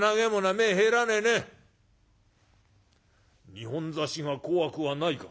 「二本差しが怖くはないか？」。